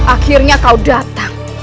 akhirnya kau datang